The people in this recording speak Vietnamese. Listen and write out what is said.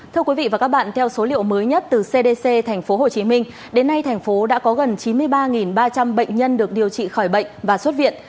thưa quý vị và các bạn theo số liệu mới nhất từ cdc tp hcm đến nay thành phố đã có gần chín mươi ba ba trăm linh bệnh nhân được điều trị khỏi bệnh và xuất viện